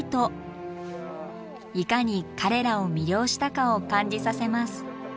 いかに彼らを魅了したかを感じさせます。